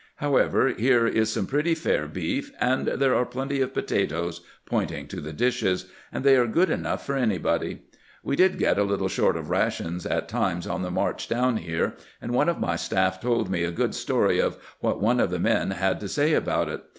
However, here is some pretty fair beef, and there are plenty of potatoes," pointing to the dishes; "and they are good enough for anybody. We did get a little short of rations at times on the march down here, and one of my staff told me a good story of what one of the men had to say about it.